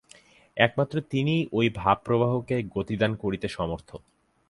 একমাত্র তিনিই ঐ ভাব-প্রবাহকে গতিদান করিতে সমর্থ।